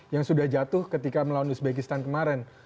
yang sudah jatuh ketika melawan uzbekistan kemarin